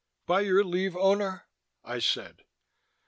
"By your leave, Owner?" I said.